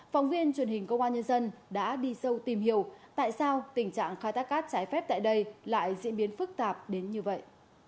phóng viên truyền hình công an nhân dân đã đi sâu tìm hiểu tại sao tình trạng khai thác cát trái phép tại đây lại diễn biến phức tạp đến như vậy